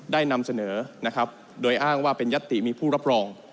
นำเสนอนะครับโดยอ้างว่าเป็นยัตติมีผู้รับรอง